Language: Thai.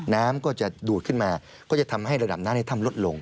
น้ำก็จะดูดขึ้นมาก็จะทำให้ระดับน้ำในถ้ำลดลง